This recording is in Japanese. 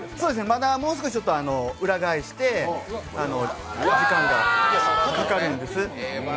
まだもう少し裏返して時間がかかるんです。